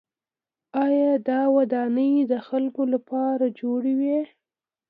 آیا دا ودانۍ د خلکو لپاره جوړې وې؟